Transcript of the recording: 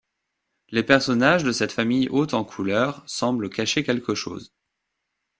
Les personnages de cette famille haute en couleur semblent cacher quelque chose.